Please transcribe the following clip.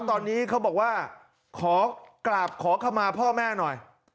ตอนนี้เขาบอกว่าขอกราบขอขมาพ่อแม่หน่อย